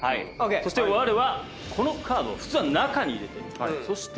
そしてわれはこのカード普通は中に入れてそして当てるのじゃ。